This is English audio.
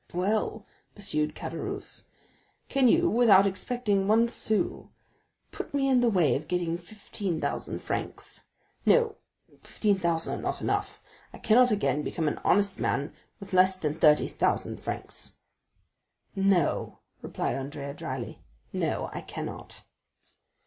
"Well," pursued Caderousse, "can you without expending one sou, put me in the way of getting fifteen thousand francs? No, fifteen thousand are not enough,—I cannot again become an honest man with less than thirty thousand francs." "No," replied Andrea, dryly, "no, I cannot."